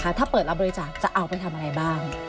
ถ้าเปิดรับบริจาคจะเอาไปทำอะไรบ้าง